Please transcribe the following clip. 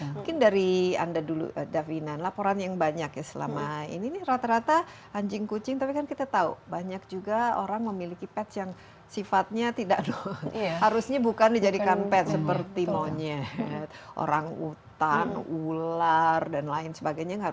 mungkin dari anda dulu davidan laporan yang banyak ya selama ini rata rata anjing kucing tapi kan kita tahu banyak juga orang memiliki pets yang sifatnya tidak harusnya bukan dijadikan pet seperti monyet orang utang ular dan lain sebagainya